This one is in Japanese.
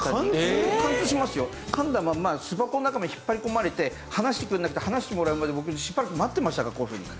噛んだまま巣箱の中まで引っ張り込まれて放してくれなくて放してもらうまで僕しばらく待ってましたからこういうふうに。